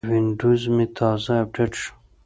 وینډوز مې تازه اپډیټ شو.